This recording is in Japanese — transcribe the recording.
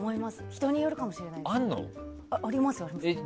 人によるかもしれないですけど。